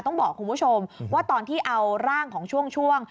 ต้องบอกคุณผู้ชมว่าตอนที่เอาร่างของช่วง